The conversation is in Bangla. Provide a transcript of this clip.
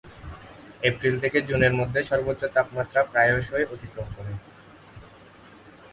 এপ্রিল থেকে জুনের মধ্যে সর্বোচ্চ তাপমাত্রা প্রায়শই অতিক্রম করে।